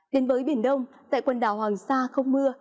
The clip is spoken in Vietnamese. đến với biển đông tại quần đảo hoàng sa không mưa